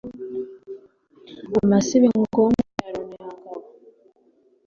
amasibe ngombwa ya Runihangabo